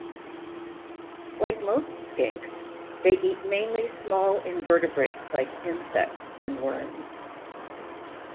Like most skinks, they eat mainly small invertebrates like insects and worms.